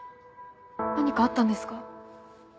何かあったんですか？